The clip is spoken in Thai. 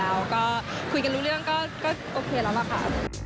แล้วก็คุยกันรู้เรื่องก็โอเคแล้วล่ะค่ะ